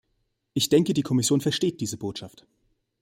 Ich denke, die Kommission versteht diese Botschaft.